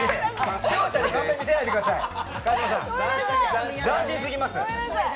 視聴者にカンペ見せないでください、斬新すぎます。